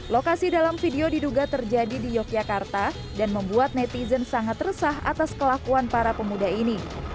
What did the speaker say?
lokasi dalam video diduga terjadi di yogyakarta dan membuat netizen sangat resah atas kelakuan para pemuda ini